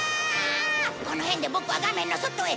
この辺でボクは画面の外へ！